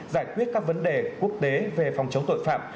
giải quyết các vấn đề quốc tế về phòng chống tội phạm